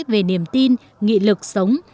về niềm tin nghị lực sống